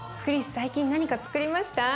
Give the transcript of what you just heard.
最近何かつくりました？